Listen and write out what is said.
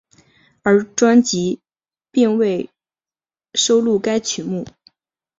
而专辑并未收录该曲目。